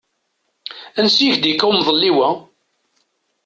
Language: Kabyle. Ansi k-d-yekka umḍelliw-a?